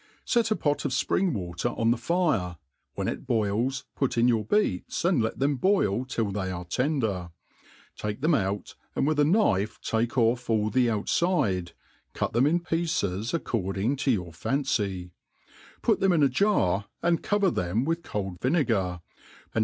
SET a pot of fpring water on the fire, when it boils put in your beets, and let them boil till they are tender; take \hem out, and with a knife take off all the outftde, cut tbem iii pieces according to your fancy ; put them iti ajar, and co ver them with cold vinegar, and t?